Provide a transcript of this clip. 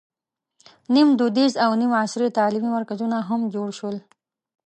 نیم دودیز او نیم عصري تعلیمي مرکزونه هم جوړ شول.